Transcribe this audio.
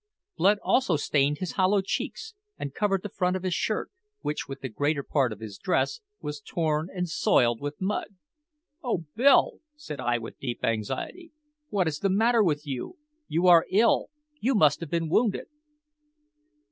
Blood also stained his hollow cheeks and covered the front of his shirt, which, with the greater part of his dress, was torn and soiled with mud. "Oh Bill!" said I with deep anxiety, "what is the matter with you? You are ill. You must have been wounded."